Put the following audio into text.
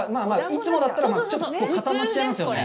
いつもだったら、ちょっと固まっちゃいますよね。